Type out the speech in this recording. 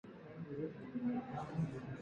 Each contestant performed two songs.